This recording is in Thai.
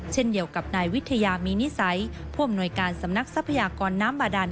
เช่นเดียวกับนายวิทยามีนิสัยผู้อำนวยการสำนักทรัพยากรน้ำบาดาน